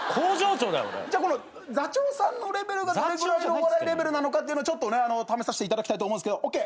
じゃあ座長さんのレベルがどれぐらいのお笑いレベルなのかちょっと試させていただきたいと思うんですけど。